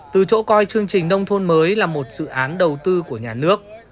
từ chỗ coi chương trình nông thôn mới là một dự án đầu tư của nhà nước